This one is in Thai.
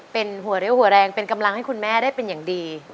เป็นหัวเรี่ยวหัวแรงเป็นกำลังให้คุณแม่ได้เป็นอย่างดี